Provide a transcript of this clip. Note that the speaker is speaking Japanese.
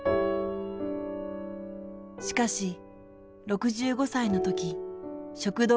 しかし６５歳の時食道